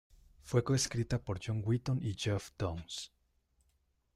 Fue co-escrita por John Wetton y Geoff Downes.